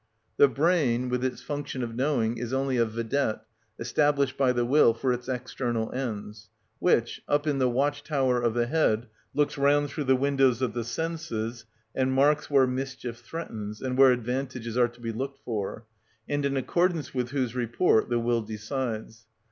The brain, with its function of knowing, is only a vedette established by the will for its external ends, which, up in the watch tower of the head, looks round through the windows of the senses and marks where mischief threatens and where advantages are to be looked for, and in accordance with whose report the will decides.